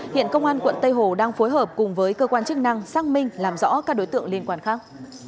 hiện công an quận tây hồ đang phối hợp cùng với cơ quan chức năng xác minh làm rõ các đối tượng liên quan khác